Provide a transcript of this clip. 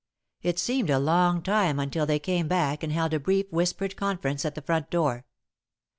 It seemed a long time until they came back and held a brief whispered conference at the front door.